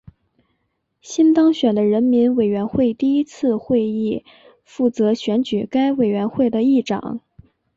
新当选的人民委员会第一次会议负责选举该委员会的议长。